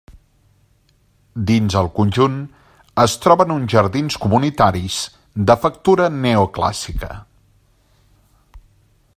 Dins el conjunt es troben uns jardins comunitaris de factura neoclàssica.